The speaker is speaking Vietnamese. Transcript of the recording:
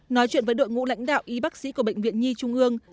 nói chuyện với đội ngũ lãnh đạo y bác sĩ của bệnh viện nhi trung ương